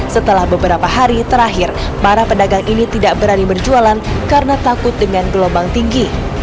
setelah beberapa hari terakhir para pedagang ini tidak berani berjualan karena takut dengan gelombang tinggi